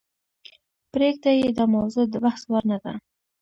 پریږده یې داموضوع دبحث وړ نه ده .